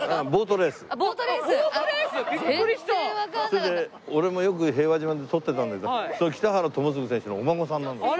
それで俺もよく平和島で取ってたんだけど北原友次選手のお孫さんなんだって。